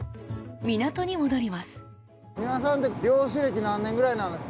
港に戻ります。